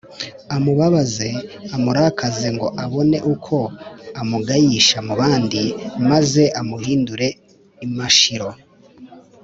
amubabaze, amurakaze ngo abone uko amugayisha mu bandi, maze amu hindure imashiro